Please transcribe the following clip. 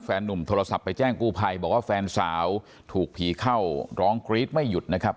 นุ่มโทรศัพท์ไปแจ้งกู้ภัยบอกว่าแฟนสาวถูกผีเข้าร้องกรี๊ดไม่หยุดนะครับ